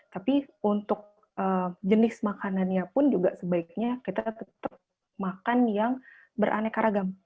tapi untuk jenis makanannya pun juga sebaiknya kita tetap makan yang beraneka ragam